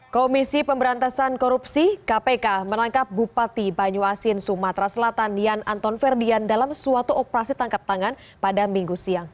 komisi pemberantasan korupsi kpk menangkap bupati banyu asin sumatera selatan yan anton ferdian dalam suatu operasi tangkap tangan pada minggu siang